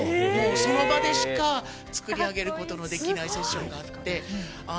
その場でしか作り上げることのできないセッションがあって。